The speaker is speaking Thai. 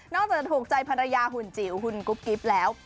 นอกจากถูกใจภรรยาหุ่นจี๋หุ่นกรุ๊บกิฟต์แล้ว